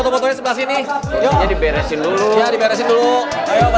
fotonya sebelah sininya nih sobnya